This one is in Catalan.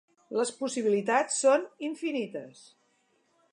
Les possibilitats són infinites.